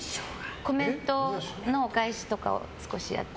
コメントのお返しとかを少しやったり。